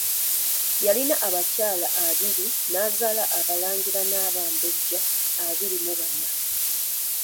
Yalina abakyala abiri n'azaala abalangira n'abambejja abiri mu bana.